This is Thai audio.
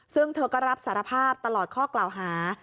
ซึ่งเธอก็รับสารภาพตลอดข้อกล่าวหา